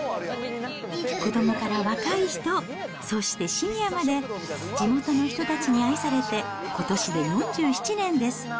子どもから若い人、そしてシニアまで、地元の人たちに愛されてことしで４７年です。